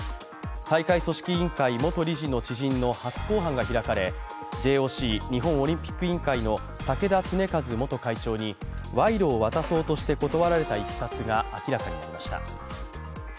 大会組織委員会元理事の知人の初公判が開かれ、ＪＯＣ＝日本オリンピック委員会の竹田恒和元会長に賄賂を渡そうとして断られたいきさつが明らかになりました。